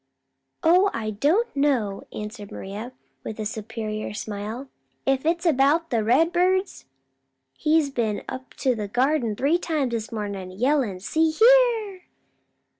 "Oh I don't know," answered Maria, with a superior smile. "If it's about the redbirds, he's been up to the garden three times this morning yellin', 'See here!'